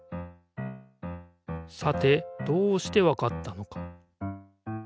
さてどうしてわかったのか？